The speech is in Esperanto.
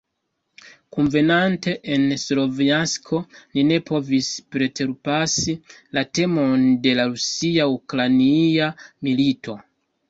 Kunvenante en Slovjansko ni ne povis preterpasi la temon de la rusia-ukrainia milito.